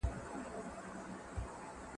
زه موسيقي نه اورم.